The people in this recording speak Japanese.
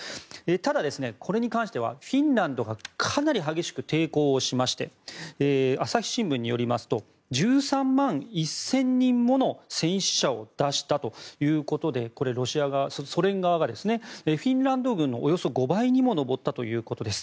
ただ、これに関してはフィンランドがかなり激しく抵抗をしまして朝日新聞によりますと１３万１０００人もの戦死者を出したということでソ連側がフィンランド軍のおよそ５倍にも上ったということです。